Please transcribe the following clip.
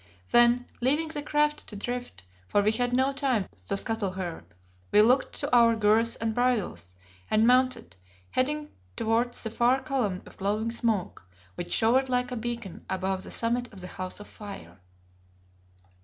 Then leaving the craft to drift, for we had no time to scuttle her, we looked to our girths and bridles, and mounted, heading towards the far column of glowing smoke which showed like a beacon above the summit of the House of Fire.